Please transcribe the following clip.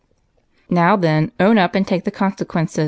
Now, then, own up and take the consequences."